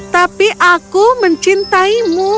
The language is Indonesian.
tapi aku mencintaimu